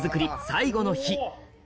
最後の日